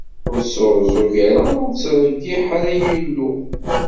Ur sɛuẓẓug ara, ur treyyiḥ ara, ay Illu!